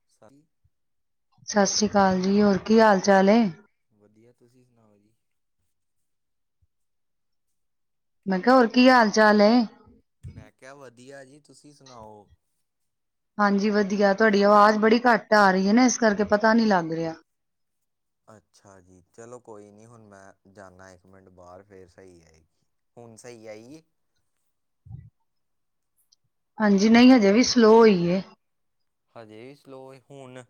[unintelligible] ਸਤਿ ਸ੍ਰੀ ਅਕਾਲ ਜੀ। ਹੋਰ ਕੀ ਹਾਲ ਚਾਲ ਏ। ਵਧੀਆ ਤੁਸੀਂ ਸੁਣਾਓ ਜੀ। ਮੈਂ ਕਿਹਾ ਹੋਰ ਕੀ ਹਾਲ ਚਾਲ ਏ। ਮੈਂ ਕਿਹਾ ਵਧੀਆ ਜੀ ਤੁਸੀਂ ਸੁਣਾਓ। ਹਾਂਜੀ, ਵਧੀਆ ਤੁਹਾਡੀ ਆਵਾਜ਼ ਬੜੀ ਘੱਟ ਆ ਰਹੀ ਹੈ ਨਾ ਇਸ ਕਰਕੇ ਪਤਾ ਨੀ ਲੱਗ ਰਿਹਾ। ਅੱਛਾ ਜੀ, ਚਲੋ ਕੋਈ ਨਹੀਂ ਹੁਣ ਮੈਂ ਜਾਂਦਾ ਇੱਕ ਮਿੰਟ ਬਾਹਰ ਫਿਰ ਸਹੀ ਆਏਗੀ। ਹੁਣ ਸਹੀ ਆਈ ਏ। ਹਾਂਜੀ ਨਹੀਂ ਹਜੇ ਵੀ ਸਲੋਅ ਹੋਈਏ। ਹਜੇ ਵੀ ਸਲੋਏ ਹੁਣ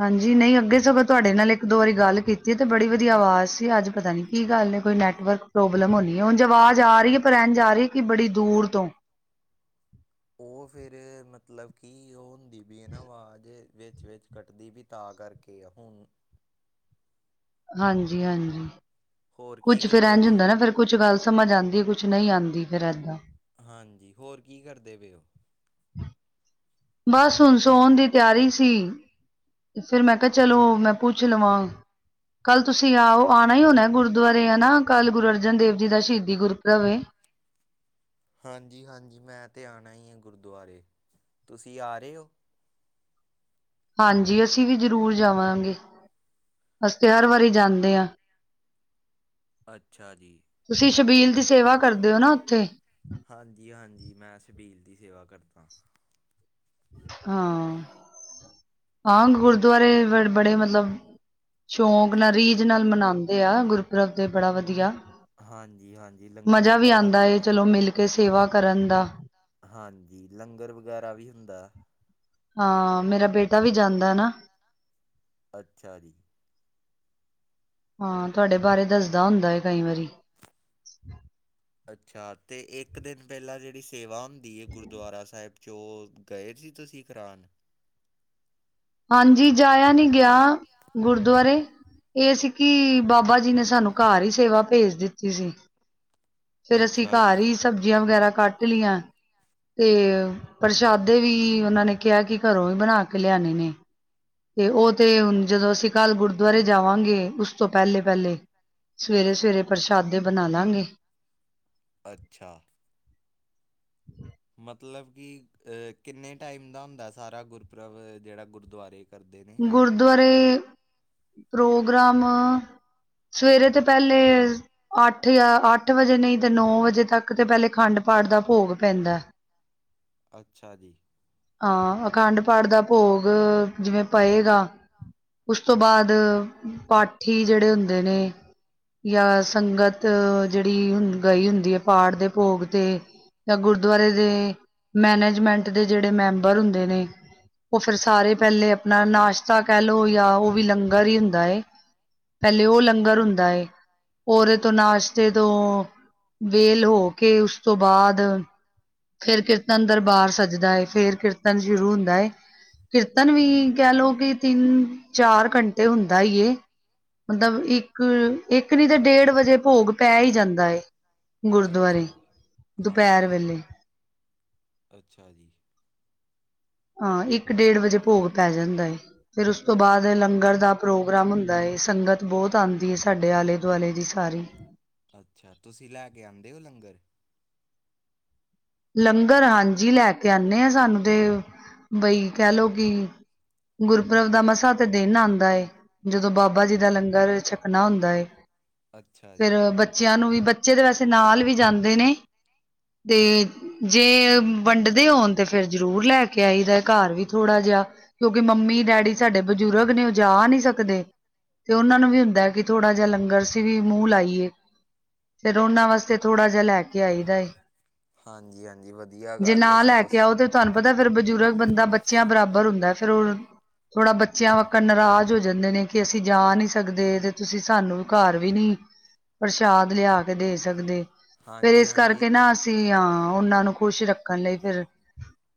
ਹਾਂਜੀ, ਨਹੀਂ ਅੱਗੇ ਸਭ ਤੁਹਾਡੇ ਨਾਲ ਇੱਕ ਦੋ ਵਾਰੀ ਗੱਲ ਕੀਤੀ ਤੇ ਬੜੀ ਵਧੀਆ ਆਵਾਜ਼ ਸੀ ਅੱਜ ਪਤਾ ਨੀ ਕੀ ਗੱਲ ਨੇ ਕੋਈ ਨੈਟਵਰਕ ਪ੍ਰੋਬਲਮ ਹੋਣੀ ਹੈ ਹੁਣ ਆਵਾਜ਼ ਆ ਰਹੀ ਹੈ ਪਰ ਰਹਿਣ ਜਾ ਰਹੀ ਕਿ ਬੜੀ ਦੂਰ ਤੋਂ ਉਹ ਫਿਰ ਮਤਲਬ ਕਿ ਉਹ ਹੁੰਦੀ ਵੀ ਇਹ ਨਾ ਆਵਾਜ਼ ਵਿੱਚ -ਵਿੱਚ ਕੱਟਦੀ ਪਈ ਵੀ ਤਾਂ ਕਰਕੇ ਹੁਣ ਹਾਂਜੀ -ਹਾਂਜੀ ਹੋਰ ਕੀ ਕੁੱਛ ਫਿਰ ਕਰਦੇ ਇੰਝ ਪਏ ਹੋ? ਹੁੰਦਾ ਨਾ ਫਿਰ ਕੁਛ ਗੱਲ ਸਮਝ ਆਂਉਦੀ ਕੁਛ ਨਹੀਂ ਆਉਂਦੀ ਫਿਰ ਏਦਾਂ ਹਾਂਜੀ, ਹੋਰ ਕੀ ਕਰਦੇ ਪਏ ਉਹ ਬਸ ਹੁਣ ਸੌਣ ਦੀ ਤਿਆਰੀ ਸੀ। ਫਿਰ ਮੈਂ ਕਿਹਾ, ਚਲੋ ਮੈਂ ਪੁੱਛ ਲਵਾਂ। ਕੱਲ ਤੁਸੀਂ ਆਓ ਆਉਣਾ ਹੀ ਹੋਣਾ ਗੁਰਦੁਆਰੇ ਆ ਨਾ, ਕੱਲ ਗੁਰੂ ਅਰਜਨ ਦੇਵ ਜੀ ਦਾ ਸ਼ਹੀਦੀ ਗੁਰ ਰਵੇ ਹਾਂਜੀ- ਹਾਂਜੀ ਮੈਂ ਤਾਂ ਆਉਣਾ ਹੀ ਹੈ ਗੁਰਦੁਆਰੇ, ਤੁਸੀਂ ਆ ਰਹੇ ਹੋ। ਹਾਂਜੀ ਅਸੀਂ ਵੀ ਜ਼ਰੂਰ ਜਾਵਾਂਗੇ, ਅਸੀਂ ਤੇ ਹਰ ਵਾਰੀ ਜਾਂਦੇ ਆਂ। ਅੱਛਾ ਜੀ ਤੁਸੀਂ ਸ਼ਬੀਲ ਦੀ ਸੇਵਾ ਕਰਦੇ ਹੋ ਨਾ ਉੱਥੇ ਹਾਂਜੀ -ਹਾਂਜੀ ਮੈਂ ਛਬੀਲ ਦੀ ਸੇਵਾ ਕਰਦਾ। ਹਾਂ- ਹਾਂ ਗੁਰਦੁਆਰੇ ਬ ਬੜੇ ਮਤਲਬ ਸ਼ੌਕ ਨਾਲ, ਰੀਝ ਨਾਲ, ਮਨਾਉਂਦੇ ਆ ਗੁਰਪੁਰਬ ਦੇ ਬੜਾ ਵਧੀਆ ਹਾਂਜੀ- ਹਾਂਜੀ ਲੰਗਰ ਮਜ਼ਾ ਵਗੈਰਾ ਆਉਂਦਾ ਵੀ ਏ ਦਾ ਚਲੋ ਮਿਲ ਕੇ ਸੇਵਾ ਦਾ ਕਰਨ ਦਾ। ਹਾਂਜੀ ਲੰਗਰ ਵਗੈਰਾ ਵੀ ਹੁੰਦਾ। ਹਾਂ ਮੇਰਾ ਬੇ ਅੱਛਾ ਜੀ ਹਾਂ ਤੁਹਾਡੇ ਬਾਰੇ ਦੱਸਦਾ ਹੁੰਦਾ ਹੈ ਕਈ ਵਾਰੀ ਅੱਛਾ ਤੇ ਇੱਕ ਦਿਨ ਪਹਿਲਾਂ ਜਿਹੜੀ ਸੇਵਾ ਹੁੰਦੀ ਹੈ ਗੁਰਦੁਆਰਾ ਸਾਹਿਬ। ਜੋ ਗਏ ਸੀ ਤੁਸੀਂ ਕਰਾਨ ਹਾਂਜੀ ਜਾਇਆ ਨੀ ਗਿਆ ਗੁਰਦੁਆਰੇ ਇਹ ਸੀ ਕਿ ਬਾਬਾ ਜੀ ਨੇ ਸਾਨੂੰ ਘਰ ਹੀ ਸੇਵਾ ਭੇਜ ਦਿੱਤੀ ਸੀ। ਫੇਰ ਅਸੀਂ ਅੱਛਾ ਜੀ। ਘਰ ਹੀ ਸਬਜ਼ੀਆਂ ਵਗੈਰਾ ਕੱਟ ਲਈਆਂ ਤੇ ਪ੍ਰਸ਼ਾਦੇ ਵੀ ਉਹਨਾਂ ਨੇ ਕਿਹਾ ਕਿ ਘਰੋਂ ਵੀ ਬਣਾ ਕੇ ਲਿਆਣੇ ਨੇ ਤੇ ਉਹ ਤੇ ਹੁਣ ਜਦੋਂ ਅਸੀਂ ਕੱਲ੍ਹ ਗੁਰਦੁਆਰੇ ਜਾਵਾਂਗੇ ਉਸ ਤੋਂ ਪਹਿਲੇ ਪਹਿਲੇ ਸਵੇਰੇ ਸਵੇਰੇ ਪ੍ਰਸ਼ਾਦੇ ਬਣਾ ਲਾਂਗੇ ਅੱਛਾ ਮਤਲਬ ਕਿ ਕਿੰਨੇ ਟਾਈਮ ਦਾ ਹੁੰਦਾ ਸਾਰਾ ਗੁਰਪ੍ਰਬ ਜਿਹੜਾ ਗੁਰਦੁਆਰੇ ਕਰਦੇ ਨੇ ਗੁਰਦੁਆਰੇ ਪ੍ਰੋਗਰਾਮ ਸਵੇਰੇ ਤੇ ਪਹਿਲੇ ਅੱਠ ਜਾਂ ਅੱਠ ਵਜੇ ਨਹੀਂ ਤੇ ਨੌ ਵਜੇ ਤੱਕ ਤੇ ਪਹਿਲੇ ਖੰਡ ਪਾਠ ਦਾ ਭੋਗ ਪੈਂਦਾ ਅੱਛਾ ਜੀ ਹਾਂ ਅਖੰਡ ਪਾਠ ਦਾ ਭੋਗ ਜਿਵੇਂ ਪਏਗਾ। ਉਸ ਤੋਂ ਬਾਅਦ ਪਾਠੀ ਜਿਹੜੇ ਹੁੰਦੇ ਨੇ। ਜਾਂ ਸੰਗਤ ਜਿਹੜੀ ਹੁੰਦੀ ਗਈ ਹੁੰਦੀ ਹੈ ਪਾਠ ਦੇ ਭੋਗ ਤੇ ਤਾਂ ਗੁਰਦੁਆਰੇ ਦੇ ਮੈਨੇਜਮੈਂਟ ਦੇ ਜਿਹੜੇ ਮੈਂਬਰ ਹੁੰਦੇ ਨੇ ਉਹ ਫ਼ਿਰ ਸਾਰੇ ਪਹਿਲੇ ਆਪਣਾ ਨਾਸ਼ਤਾ ਕਹਿ ਲਓ ਜਾਂ ਉਹ ਵੀ ਲੰਗਰ ਹੀ ਹੁੰਦਾ ਪਹਿਲੇ ਉਹ ਲੰਗਰ ਹੁੰਦਾ ਰੇ ਤੋਂ ਨਾਸ਼ਤੇ ਤੋਂ ਵੇਹਲ ਹੋ ਕੇ ਉਸ ਤੋਂ ਬਾਅਦ ਫਿਰ ਕੀਰਤਨ ਦਰਬਾਰ ਸੱਜਦਾ ਹੈ ਫੇਰ ਕੀਰਤਨ ਸ਼ੁਰੂ ਹੁੰਦਾ ਕੀਰਤਨ ਵੀ ਕਹਿ ਲੋਓ ਕਿ ਤਿੰਨ ਚਾਰ ਘੰਟੇ ਹੁੰਦਾ ਏ ਮਤਲਬ ਇੱਕ ਇੱਕ ਨੀ ਤਾਂ ਡੇਢ ਵਜੇ ਭੋਗ ਪੈ ਹੀ ਜਾਂਦਾ ਏ ਗੁਰਦੁਆਰੇ ਅੱਛਾ ਦੁਪਹਿਰ ਹਾਂਜੀ। ਵੇਲੇ ਅੱਛਾ ਜੀ ਹਾਂ ਇੱਕ ਡੇਢ ਵਜੇ ਭੋਗ ਪੈ ਜਾਂਦਾ ਹੈ ਫਿਰ ਉਸ ਤੋਂ ਬਾਅਦ ਲੰਗਰ ਦਾ ਪ੍ਰੋਗਰਾਮ ਹੁੰਦਾ ਹੈ ਸੰਗਤ ਬਹੁਤ ਆਉਂਦੀ ਹੈ ਸਾਡੇ ਆਲੇ ਦੁਆਲੇ ਦੀ ਸਾਰੀ ਅੱਛਾ ਤੁਸੀਂ ਲੈ ਕੇ ਆਉਂਦੇ ਹੋ ਲੰਗਰ ਲੰਗਰ ਹਾਂਜੀ ਲੈ ਕੇ ਆਉਂਦੇ ਹ ਸਾਨੂੰ ਤੇ ਬਈ ਕਹਿ ਲੋੋ ਕਿ ਗੁਰਪੁਰਬ ਦਾ ਮਸਾਂ ਤੇ ਦਿਨ ਆਉਂਦਾ ਏ ਜਦੋਂ ਬਾਬਾ ਜੀ ਦਾ ਲੰਗਰ ਛਕਣਾ ਹੁੰਦਾ ਏ ਅੱਛਾ ਫਿਰ ਜੀ। ਬੱਚਿਆਂ ਨੂੰ ਵੀ ਬੱਚੇ ਦੇ ਵੈਸੇ ਨਾਲ ਵੀ ਜਾਂਦੇ ਨੇ ਤੇ ਜੇ ਵੰਡਦੇ ਹੋਣ ਤੇ ਫਿਰ ਜ਼ਰੂਰ ਲੈ ਲੈ ਕੇ ਆਈ ਦਾ ਘਰ ਵੀ ਥੋੜ੍ਹਾ ਜਿਹਾ ਕਿਉਂਕਿ ਮੰਮੀ ਡੈਡੀ ਸਾਡੇ ਬਜ਼ੁਰਗ ਨੇ ਜਾ ਨਹੀਂ ਸਕਦੇ ਤੇ ਉਹਨਾਂ ਨੂੰ ਵੀ ਹੁੰਦਾ ਕਿ ਥੋੜਾ ਜਿਹਾ ਲੰਗਰ ਸੀ ਵੀ ਮੂੰਹ ਲਾਈਏ ਫ਼ਿਰ ਉਹਨਾਂ ਵਾਸਤੇ ਥੋੜਾ ਜਿਹਾ ਲੈ ਕੇ ਆਈ ਦਾ ਏ ਹਾਂਜੀ ਹਾਂਜੀ ਵਧੀਆ ਜੇ ਗੱਲ ਨਾ ਲੈ ਸਗੋਂ ਕੇ ਆਓ ਤੇ ਤੁਹਾਨੂੰ ਪਤਾ ਫਿਰ ਬਜ਼ੁਰਗ ਬੰਦਾ ਬੱਚਿਆਂ ਬਰਾਬਰ ਹੁੰਦਾ ਫੇਰ ਥੋੜਾ ਬੱਚਿਆਂ ਵਾਂਗ ਨਾਰਾਜ਼ ਹੋ ਜਾਂਦੇ ਨੇ ਕਿ ਅਸੀਂ ਜਾ ਨਹੀਂ ਸਕਦੇ ਤੇ ਤੁਸੀਂ ਸਾਨੂੰ ਵੀ ਘਰ ਵੀ ਨਹੀ ਪ੍ਰਸ਼ਾਦ ਲਿਆ ਕੇ ਦੇ ਸਕਦੇ ਫਿਰ ਹਾਂਜੀ ਇਸ ਹਾਂਜੀ। ਕਰਕੇ ਨਾ ਸੀ ਹਾਂ ਉਹਨਾਂ ਨੂੰ ਖ਼ੁਸ਼ ਰੱਖਣ ਲਈ ਫਿਰ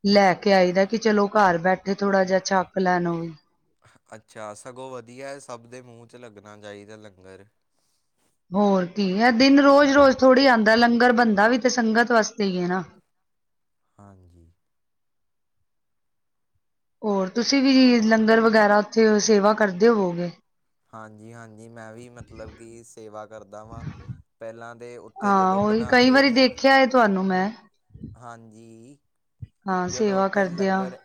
ਲੈ ਕੇ ਆਈ ਦਾ ਕਿ ਚਲੋ ਘਰ ਬੈਠੇ ਥੋੜ੍ਹਾ ਜਿਹਾ ਛੱਕ ਲੈਣ ਹੋ ਵੀ ਅੱਛਾ ਸਗੋਂ ਵਧੀਆ ਸਭ ਦੇ ਮੂੰਹ ' ਲੱਗਣਾ ਚਾਹੀਦਾ ਲੰਗਰ ਹੋਰ ਕੀ ਹੈ ਦਿਨ ਰੋਜ਼ ਰੋਜ਼ ਥੋੜ੍ਹੀ ਆਉਂਦਾ ਲੰਗਰ ਬੰਦਾ ਵੀ ਤੇ ਸੰਗਤ ਵਾਸਤੇ ਹੀ ਹੈ ਨਾ ਹਾਂਜੀ ਹੋਰ ਤੁਸੀਂ ਵੀ ਲੰਗਰ ਵਗੈਰਾ ਉੱਥੇ ਸੇਵਾ ਕਰਦੇ ਹੋਵੋਗੇ ਹਾਂਜੀ ਹਾਂਜੀ ਮੈਂ ਵੀ ਮਤਲਬ ਕਿ ਸੇਵਾ ਕਰਦਾ ਵਾਂ ਪਹਿਲਾਂ ਦੇ ਉੱਤੇ ਹਾਂ ਜਦੋਂ ਉਹੀ ਕਈ ਬਣਾਉਂਦੇ ਵਾਰੀ ਨੇ ਦੇਖਿਆ ਤੁਹਾਨੂੰ ਮੈਂ ਹਾਂਜੀ ਹਾਂ ਜਦੋਂ ਸੇਵਾ ਉਥੇ ਕਰਦਿਆਂ ਲੰਗਰ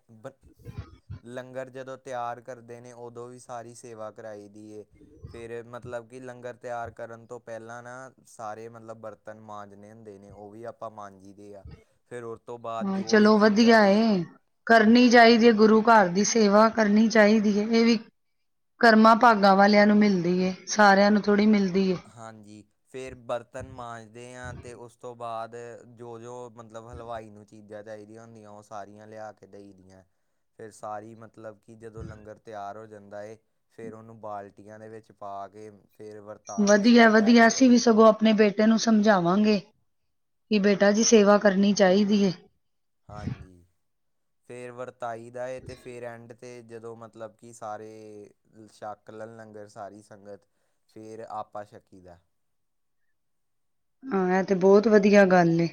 ਲੰਗਰ ਜਦੋਂ ਤਿਆਰ ਕਰਦੇ ਨੇ ਉਦੋਂ ਵੀ ਸਾਰੀ ਸੇਵਾ ਕਰਵਾਈ ਦੀ ਫਿਰ ਮਤਲਬ ਕਿ ਲੰਗਰ ਤਿਆਰ ਕਰਨ ਤੋਂ ਪਹਿਲਾਂ ਨਾ ਸਾਰੇ ਮਤਲਬ ਵਰਤ ਬਰਤਨ ਮਾਂਜਣੇ ਹੁੰਦੇ ਨੇ ਉਹ ਵੀ ਆਪਾਂ ਮਾਂਜੀਦੇ ਆ। ਫਿਰ ਉਸ ਤੋਂ ਬਾਅਦ ਹਾਂ ਜੋ ਵੀ ਚਲੋ ਚੀਜ਼ਾਂ ਵਧੀਆ ਦੀ ਹੈ। ਕਰਨੀ ਚਾਹੀਦੀ ਹੈ ਗੁਰੂ ਘਰ ਦੀ ਸੇਵਾ ਕਰਨੀ ਚਾਹੀਦੀ ਹੈ ਇਹ ਵੀ। ਕਰਮਾਂ ਭਾਗਾਂ ਵਾਲਿਆਂ ਨੂੰ ਮਿਲਦੀ ਏ। ਸਾਰਿਆਂ ਨੂੰ ਥੋੜ੍ਹੀ ਮਿਲਦੀ ਹੈ। ਹਾਂਜੀ ਫਿਰ ਬਰਤਨ ਮਾਂਜਦੇ ਹਾਂ ਅਤੇ ਉਸ ਤੋਂ ਬਾਅਦ ਜੋ ਜੋ। ਮਤਲਬ ਹਲਵਾਈ ਨੂੰ ਚੀਜ਼ਾਂ ਚਾਹੀਦੀਆਂ ਹੁੰਦੀਆਂ ਉਹ ਸਾਰੀਆਂ ਲਿਆ ਕੇ ਦੇਈ ਦੀਆਂ। ਫਿਰ ਸਾਰੀ ਮਤਲਬ ਕਿ ਜਦੋਂ ਲੰਗਰ ਫਿਰ ਉਹਨੂੰ ਬਾਲਟੀਆਂ ਦੇ ਵਿੱਚ ਪਾ ਕੇ ਫਿਰ ਵਰਤ ਵਧੀਆ ਵਧੀਆ ਅਸੀਂ ਵੀ ਸਗੋਂ ਆਪ ਆਪਣੇ ਬੇਟੇ ਨੂੰ ਸਮਝਾਵਾਂਗੇ ਕਿ ਬੇਟਾ ਜੀ ਸੇਵਾ ਕਰਨੀ ਚਾਹੀਦੀ ਹੈ ਹਾਂਜੀ ਫਿਰ ਵਰਤਾਈ ਦਾ ਹੈ ਤੇ ਫਿਰ ਐਂਡ ਅਤੇ ਜਦੋਂ ਮਤਲਬ ਕਿ ਸਾਰੇ ਸ਼ੱਕ ਲਣ ਲੰਗਰ ਸਾਰੀ ਸੰਗਤ ਫਿਰ ਆਪਾ ਛੱਕੀ ਦਾ ਹਾਂ ਇਹ ਤੇ ਬਹੁਤ ਵਧੀਆ ਗੱਲ ਹੈ।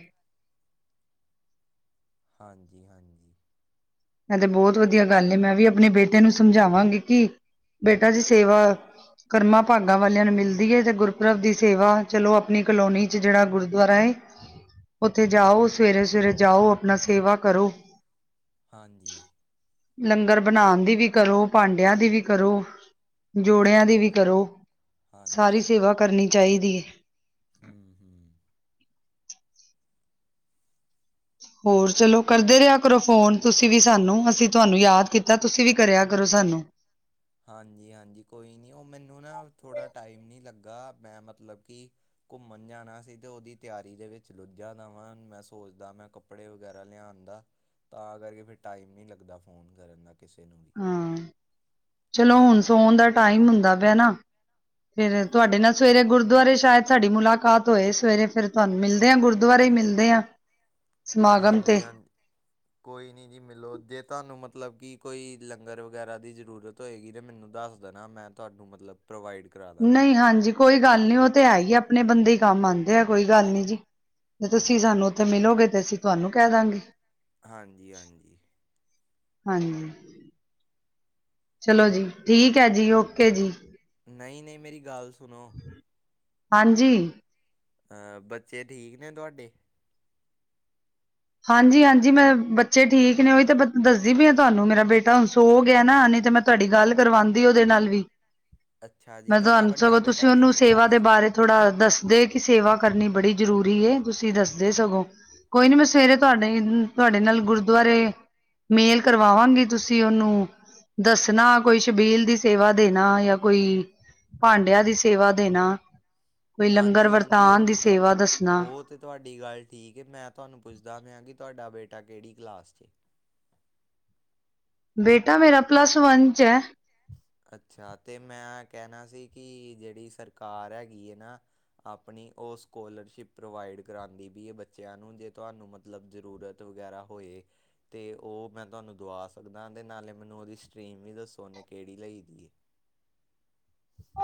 ਹਾਂਜੀ ਹਾਂਜੀ। ਇਹ ਤੇ ਬਹੁਤ ਵਧੀਆ ਗੱਲ ਨੇ ਮੈਂ ਵੀ ਆਪਣੇ ਬੇਟੇ ਨੂੰ ਸਮਝਾਵਾਂਗੀ ਕਿ ਬੇਟਾ ਜੀ ਸੇਵਾ। ਕਰਮਾਂ ਭਾਗਾਂ ਵਾਲਿਆਂ ਨੂੰ ਮਿਲਦੀ ਹੈ ਤੇ ਗੁਰਪੁਰਬ ਦੀ ਸੇਵਾ ਚਲੋ ਆਪਣੀ ਕਲੋਨੀ। ਚ ਜਿਹੜਾ ਗੁਰਦੁਆਰਾ ਹੈ ਉੱਥੇ ਜਾਓ ਸਵੇਰੇ ਸਵੇਰੇ ਜਾਓ ਆਪਣਾ ਸੇਵਾ ਕਰੋ। ਹਾਂਜੀ। ਲੰਗਰ ਬਣਾਉਣ ਦੀ ਵੀ ਕਰੋ। ਭਾਂਡਿਆਂ ਦੀ ਵੀ ਕਰੋ। ਬਿਲਕੁਲ ਜੋੜਿਆਂ ਦੀ ਵੀ ਬਿਲਕੁਲ ਕਰੋ ਹਾਂਜੀ ਸਾਰੀ ਸੇਵਾ ਕਰਨੀ ਚਾਹੀਦੀ ਹੈ। ਹਮ ਹਮ। ਹੋਰ ਚਲੋ ਕਰਦੇ ਰਿਹਾ ਕਰੋ ਫੋਨ ਤੁਸੀਂ ਵੀ ਸਾਨੂੰ ਅਸੀਂ ਤੁਹਾਨੂੰ ਯਾਦ ਕੀਤਾ ਤੁਸੀਂ ਵੀ ਕਰਿਆ ਕਰੋ ਸਾਨੂੰ। ਹਾਂਜੀ, ਹਾਂਜੀ ਕੋਈ ਨਹੀਂ ਉਹ ਮੈਨੂੰ ਨਾ ਥੋੜ੍ਹਾ ਟਾਈਮ ਨਹੀਂ ਲੱਗਾ ਮੈਂ ਮਤਲਬ ਕਿ। ਘੁੰਮਣ ਜਾਣਾ ਸੀ ਅਤੇ ਉਹਦੀ ਤਿਆਰੀ ਦੇ ਵਿੱਚ ਰੁੱਝਾ ਦਾ ਵਾਂ। ਮੈਂ ਸੋਚਦਾ ਮੈਂ ਕੱਪ ਕੱਪੜੇ ਵਗੈਰਾ ਲਿਆਉਣ ਦਾ ਤਾਂ ਕਰਕੇ ਫਿਰ ਟਾਈਮ ਨਹੀਂ ਲੱਗਦਾ ਫ਼ੋਨ ਕਰਨ ਦਾ ਕਿਸੇ ਨੂੰ ਵੀ। ਹਾਂ ਚਲੋ ਹੁਣ ਸੋਣ ਦਾ ਟਾਈਮ ਹੁੰਦਾ ਪਿਆ ਨਾ। ਫਿਰ ਤੁਹਾਡੇ ਨਾਲ ਸਵੇਰੇ ਗੁਰਦੁਆਰੇ ਸ਼ਾਇਦ ਸਾਡੀ ਮੁਲਾਕਾਤ। ਹੋਏ ਸਵੇਰੇ ਫਿਰ ਤੁਹਾਨੂੰ ਮਿਲਦੇ ਆ ਗੁਰਦੁਆਰੇ ਹੀ ਮਿਲਦੇ ਆ। ਸਮਾਗਮ ਤੇ ਹਾਂਜੀ ਹਾਂਜੀ। ਕੋਈ ਨਹੀਂ ਜੀ ਮਿਲੋ ਜੇ ਤੁਹਾਨੂੰ ਮਤਲਬ ਕਿ ਕੋਈ ਲੰਗਰ ਵਗੈਰਾ ਦੀ ਜ਼ਰੂਰਤ ਹੋਏਗੀ ਤੇ ਮੈਨੂੰ ਦੱਸ। ਨਾ ਮੈਂ ਤੁਹਾਨੂੰ ਮਤਲਬ। ਪ੍ਰੋਵਾਈਡ ਕਰਾ। ਦਾਂਗਾ ਨਹੀਂ ਹਾਂਜੀ ਕੋਈ ਗੱਲ ਨਹੀਂ ਉਹ ਤੇ ਹੈ ਹੀ ਆਪਣੇ ਬੰਦੇ ਕੰਮ ਆਉਂਦੇ ਆ ਕੋਈ ਗੱਲ ਨਹੀਂ। ਜੇ ਤੁਸੀਂ ਸਾਨੂੰ ਉੱਥੇ ਮਿਲੋਗੇ ਤੇ ਅਸੀਂ ਤੁਹਾਨੂੰ ਕਹਿ ਦਾਂਗੇ। ਹਾਂਜੀ ਹਾਂਜੀ। ਹਾਂਜੀ, ਚਲੋ ਉਹ ਜੀ, ਠੀਕ ਹੈ ਜੀ, ਓਕੇ ਜੀ। ਨਹੀਂ, ਨਹੀਂ ਮੇਰੀ ਗੱਲ ਸੁਣੋ। ਹਾਂਜੀ। ਅ ਬੱਚੇ ਠੀਕ ਨੇ ਤੁਹਾਡੇ? ਹਾਂਜੀ ਹਾਂਜੀ ਮੈਂ ਬੱਚੇ ਠੀਕ ਨੇ ਉਹੀ ਤੇ ਦੱਸਦੀ ਪਈ ਹਾਂ ਤੁਹਾਨੂੰ ਮੇਰਾ ਬੇਟਾ ਹੁਣ ਸੋ ਗਿਆ ਨਾ ਨਹੀਂ ਤੇ ਮੈਂ ਤੁਹਾਨੂੰ। ਤੁਹਾਡੀ ਗੱਲ ਕਰਵਾਉਂਦੀ ਉਹਦੇ ਨਾਲ ਵੀ ਅੱਛਾ ਜੀ ਮੈਂ ਤੁਹਾਡਾ ਤੁਹਾਨੂੰ ਵੱਡਾ ਸਗੋਂ ਬੇਟਾ ਤੁਸੀਂ ਉਹਨੂੰ ਕਿਹੜੀ ਸੇਵਾ ਦੇ ਕਲਾਸ 'ਚ? ਬਾਰੇ। ਥੋੜਾ ਦੱਸਦੇ ਕਿ ਸੇਵਾ ਕਰਨੀ ਬੜੀ ਜ਼ਰੂਰੀ ਏ ਤੁਸੀਂ ਦੱਸਦੇ ਸਗੋਂ ਕੋਈ ਨੀ ਮੈਂ। ਸਵੇਰੇ ਤੁਹਾਡੇ ਤੁਹਾਡੇ ਨਾਲ ਗੁਰਦੁਆਰੇ ਮੇਲ ਕਰਵਾਵਾਂਗੀ ਤੁਸੀਂ ਉਹਨੂੰ। ਦੱਸਣਾ ਕੋਈ ਸ਼ਬੀਲ ਦੀ ਸੇਵਾ ਦੇਣਾ ਜਾਂ ਕੋਈ। ਭਾਂਡਿਆਂ ਦੀ ਸੇਵਾ ਦੇਣਾ ਕੋਈ ਲੰਗਰ ਵਰਤਾਨ ਦੀ ਸੇਵਾ ਦੱਸਣਾ। ਅਤੇ ਤੁਹਾਡੀ ਗੱਲ ਠੀਕ ਹੈ। ਮੈਂ ਤੁਹਾਨੂੰ ਪੁੱਛਦਾ ਪਿਆ ਕਿ ਤੁਹਾਡਾ ਬੇਟਾ ਕਿਹੜੀ ਕਲਾਸ 'ਚ ਹੈ? ਬੇਟਾ ਮੇਰਾ ਪਲੱਸ ਵਨ ਚ ਹੈ। ਅੱਛਾ, ਤੇ ਮੈਂ ਕਹਿਣਾ ਸੀ ਕਿ ਜਿਹੜੀ ਸਰਕਾਰ ਹੈਗੀ ਹੈ ਨਾ। ਆਪਣੀ ਉਹ ਸਕੋਲਰਸ਼ਿਪ ਪ੍ਰੋਵਾਈਡ ਕਰਾਉਂਦੀ ਪਈ ਹੈ ਬੱਚਿਆਂ ਨੂੰ ਜੇ ਤੁਹਾਨੂੰ। ਮਤਲਬ ਜਰੂਰਤ ਵਗੈਰਾ ਹੋਏ ਤੇ ਉਹ ਮੈਂ ਤੁਹਾਨੂੰ ਦਵਾ ਸਕਦਾ ਤੇ ਨਾਲੇ। ਮੈਨੂੰ ਉਹਦੀ ਸਟਰੀਮ ਵੀ ਦੱਸੋ ਉਹਨੇ ਕਿਹੜੀ ਲਈ ਦੀ ਹੈ?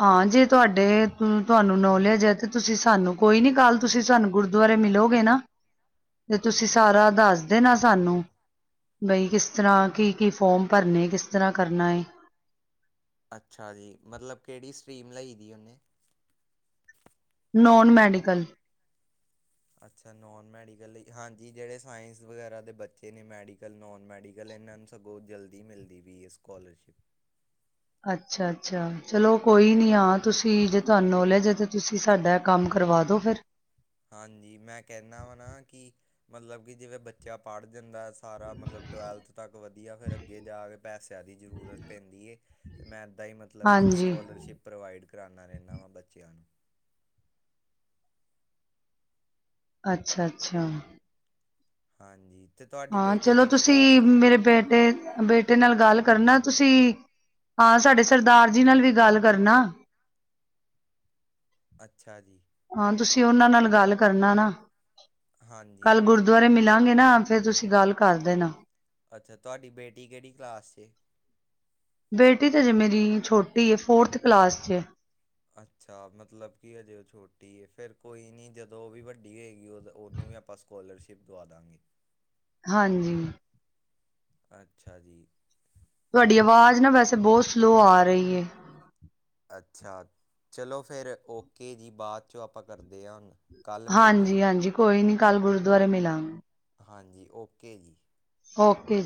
ਹਾਂ, ਜੇ ਤੁਹਾਡੇ ਤੁਹਾਨੂੰ ਨਾਲੇਜ ਹੈ ਤੇ ਤੁਸੀਂ ਸਾਨੂੰ ਕੋਈ ਨੀ ਕੱਲ ਤੁਸੀਂ ਸਾਨੂੰ ਗੁਰਦੁਆਰੇ। ਗੁਰਦੁਆਰੇ ਮਿਲੋਗੇ ਨਾ ਤੇ ਤੁਸੀਂ ਸਾਰਾ ਦੱਸ ਦੇ ਨਾ ਸਾਨੂੰ ਬਈ ਕਿਸ ਤਰ੍ਹਾਂ ਕੀ ਕੀ ਫੋਰਮ ਭਰਨੇ ਕਿਸ ਤਰ੍ਹਾਂ ਕਰਨਾ ਏ? ਅੱਛਾ ਜੀ, ਮਤਲਬ ਕਿਹੜੀ ਸਟਰੀਮ ਲਈ ਦੀ ਉਹਨੇ? Non medical. ਅੱਛਾ, ਨੋਨ ਮੈਡੀਕਲ ਹਾਂਜੀ ਜਿਹੜੇ ਸਾਇੰਸ ਵਗੈਰਾ ਦੇ ਬੱਚੇ ਨੇ ਮੈਡੀਕਲ ਨੋਨ ਮੈਡੀਕਲ ਇਹਨਾਂ ਸਗੋਂ ਜਲਦੀ ਮਿਲਦੀ ਪਈ ਏ ਸਕੋਲਰਸ਼ਿਪ। ਅੱਛਾ ਅੱਛਾ ਚਲੋ ਕੋਈ ਨੀ ਹਾਂ ਜੇ ਤੁਹਾਨੂੰ ਨੌਲੇਜ ਹੈ ਤੇ ਤੁਸੀਂ ਸਾਡਾ। ਕੰਮ ਕਰਵਾ ਦਿਉ ਫਿਰ। ਹਾਂਜੀ ਮੈਂ ਕਹਿੰਦਾ ਵਾ ਨਾ ਕਿ। ਮਤਲਬ ਕਿ ਜਿਵੇਂ ਬੱਚਾ ਪੜ੍ਹ ਜਾਂਦਾ ਸਾਰਾ ਮਤਲਬ ਟਵੈਲਥ ਤੱਕ ਵਧੀਆ। ਫਿਰ ਅੱਗੇ ਜਾ ਕੇ ਪੈਸਿਆਂ ਦੀ ਜ਼ਰੂਰਤ ਪੈਂਦੀ ਏ ਤੇ ਮੈਂ ਤਾਂ ਈ ਮਤਲਬ ਮਤਲਬ ਕਿ ਹਾਂਜੀ ਸਕੋਲਰਸ਼ਿਪ ਪ੍ਰੋਵਾਈਡ ਕਰਾਉਂਦਾ ਰਹਿਣਾ ਵਾ ਬੱਚਿਆਂ ਨੂੰ। ਅੱਛਾ ਅੱਛਾ, ਹਾਂਜੀ ਤੇ ਤੁ ਹਾਂ, ਚਲੋ ਤੁਸੀਂ ਮੇਰੇ ਬੇਟੇ ਬੇੇ ਬੇਟੇ ਨਾਲ ਗੱਲ ਕਰਨਾ ਤੁਸੀਂ ਹਾਂ ਸਾਡੇ ਸਰਦਾਰ ਜੀ ਨਾਲ ਵੀ ਗੱਲ ਕਰਨਾ। ਅੱਛਾ ਜੀ, ਹਾਂ ਤੁਸੀਂ ਉਹਨਾਂ ਨਾਲ ਗੱਲ ਕਰਨਾ ਨਾ ਹਾਂਜੀ ਕੱਲ ਗੁਰ ਗੁਰਦੁਆਰੇ ਮਿਲਾਂਗੇ ਨਾ ਫੇਰ ਤੁਸੀਂ ਗੱਲ ਕਰ ਦੇਨਾ। ਅੱਛਾ ਤੁਹਾਡੀ ਬੇਟੀ ਕਿਹੜੀ ਕਲਾਸ 'ਚ ਏ? ਬੇਟੀ ਤਾਂ ਹਜੇ ਮੇਰੀ ਛੋਟੀ ਏ ਫੋਰਥ ਕਲਾਸ ਚ ਏ। ਅੱਛਾ, ਮਤਲਬ ਕਿ ਹਜੇ ਉਹ ਛੋਟੀ ਏ ਫੇਰ ਕੋਈ ਨੀ ਜਦੋਂ ਉਹ ਵੀ ਵੱਡੀ ਹੋਏਗੀ ਉਹਨੂੰ ਵੀ ਆਪਾਂ ਸਕੋਲਰਸ਼ਿਪ ਦਵਾ ਦਾਂਗੇ। ਹਾਂਜੀ, ਅੱਛਾ ਜੀ। ਤੁਹਾਡੀ ਆਵਾਜ਼ ਨਾ ਵੈਸੇ ਬਹੁਤ ਸਲੋਅ ਆ ਰਹੀ ਏ। ਅੱਛਾ ਚਲੋ ਫੇਰ ਓਕੇ ਜੀ ਬਾਅਦ 'ਚੋਂ ਆਪਾਂ ਕਰਦੇ ਆਂ ਹੁਨ। ਹਾਂਜੀ-ਹਾਂਜੀ, ਕੋਈ ਨੀ ਕੱਲ ਗੁਰਦੁਆਰੇ ਮਿਲਾਂਗੇ। ਹਾਂਜੀ, ਓਕੇ ਜੀ। ਓਕੇ ਜੀ।